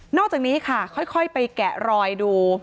อกจากนี้ค่ะค่อยไปแกะรอยดู